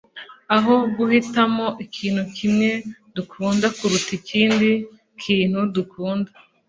aho guhitamo ikintu kimwe dukunda kuruta ikindi kintu dukunda